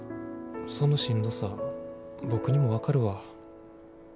そのしんどさは僕にも分かるわ。